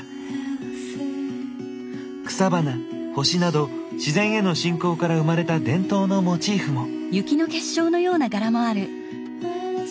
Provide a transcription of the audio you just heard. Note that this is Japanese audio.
草花星など自然への信仰から生まれた伝統のモチーフも。